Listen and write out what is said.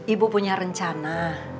ibu punya rencana